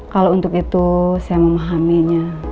kalau untuk itu saya mau mahaminya